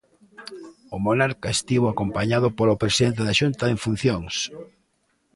O monarca estivo acompañado polo presidente da Xunta en funcións.